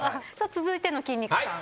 続いての筋肉さん。